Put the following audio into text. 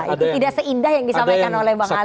itu tidak seindah yang disampaikan oleh bang arya